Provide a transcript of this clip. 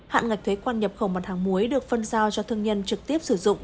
hạn ngạch thuế quan nhập khẩu mặt hàng muối được phân giao cho thương nhân trực tiếp sử dụng